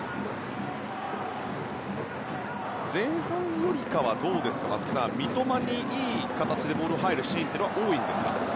前半よりは、松木さん三笘にいい形でボールが入るシーンは多いですか。